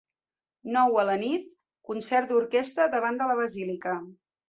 Nou a la nit: concert d'orquestra davant de la basílica.